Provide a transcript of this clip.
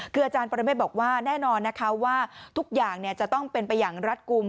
คืออาจารย์ปรเมฆบอกว่าแน่นอนนะคะว่าทุกอย่างจะต้องเป็นไปอย่างรัฐกลุ่ม